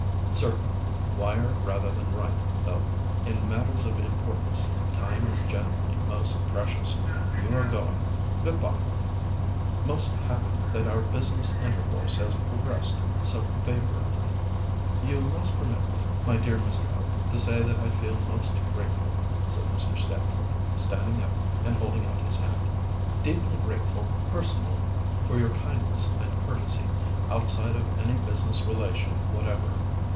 "Certainly; wire rather than write, though; in matters of importance time is generally most precious. You are going; good bye! Most happy that our business intercourse has progressed so favourably." "You must permit me, my dear Mr. Hope, to say that I feel most grateful," said Mr. Stamford, standing up and holding out his hand, "deeply grateful personally, for your kindness and courtesy, outside of any business relation whatever.